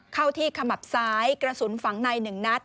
เข้าที่ขมับซ้ายกระสุนฝังใน๑นัด